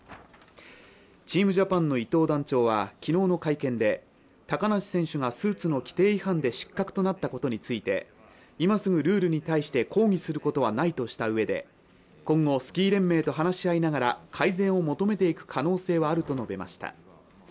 チームジャパンの伊東団長は昨日の会見で、高梨選手がスーツの規定違反で失格となったことについて今すぐルールに対して抗議することはないとしたうえで今後スキー連盟と話し合いながら改善を求めていく可能性はあると述べました。